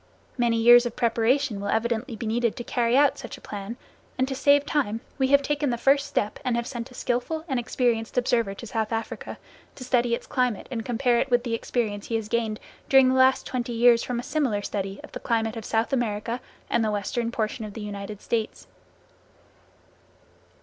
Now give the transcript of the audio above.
Many years of preparation will evidently be needed to carry out such a plan, and to save time we have taken the first step and have sent a skilful and experienced observer to South Africa to study its climate and compare it with the experience he has gained during the last twenty years from a similar study of the climate of South America and the western portion of the United States.